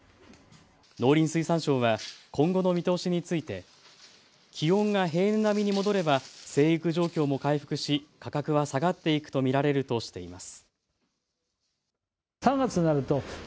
農林水産省は今後の見通しについて気温が平年並みに戻れば生育状況も回復し価格は下がっていくと見られるとしています。